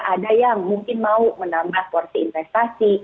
ada yang mungkin mau menambah porsi investasi